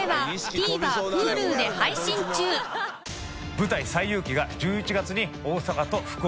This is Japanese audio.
舞台「西遊記」が１１月に大阪と福岡。